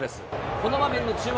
この場面に注目。